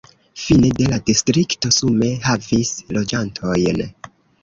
Fine de la distrikto sume havis loĝantojn.